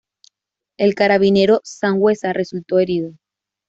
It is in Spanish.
El carabinero Sanhueza resultó herido.